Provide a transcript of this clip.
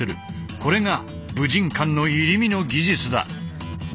これが武神館の入身の技術だ。